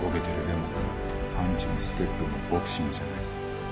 でもパンチもステップもボクシングじゃない。